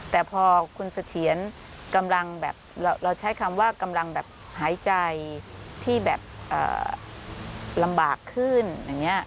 แต่พอคุณเสถียรกำลังแบบเราใช้คำว่ากำลังแบบหายใจที่แบบลำบากขึ้นอย่างนี้